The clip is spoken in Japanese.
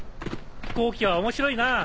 飛行機は面白いなぁ。